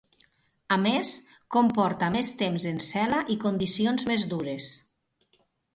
A més, comporta més temps en cel·la i condicions més dures.